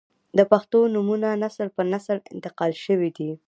• د پښتو نومونه نسل پر نسل انتقال شوي دي.